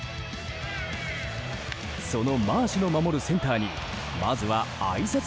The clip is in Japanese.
そのマーシュの守るセンターにまずはあいさつ